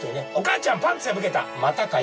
「お母ちゃんパンツが破けた！」